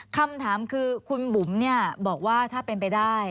คำถามคือคุณบุ๋มบอกว่าถ้าเป็นไปได้